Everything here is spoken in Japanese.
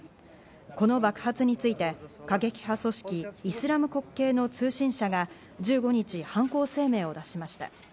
この爆発について過激派組織イスラム国系の通信社が１５日、犯行声明を出しました。